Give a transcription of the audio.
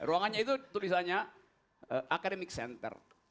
ruangannya itu tulisannya academic center